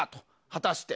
果たして。